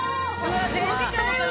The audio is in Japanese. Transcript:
とろけちゃうのかな？